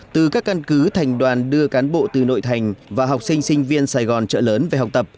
từ các căn cứ thành đoàn đưa cán bộ từ nội thành và học sinh sinh viên sài gòn trợ lớn về học tập